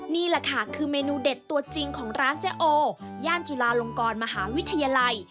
นี่แหละค่ะคือเมนูเด็ดตัวจริงของร้านเจ๊โอย่านจุลาลงกรมหาวิทยาลัย